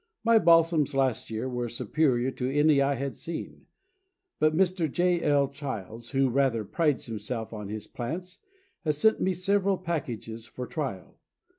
My Balsams last year were superior to any I had seen, but Mr. J. L. Childs, who rather prides himself on his plants, has sent me several packages for trial.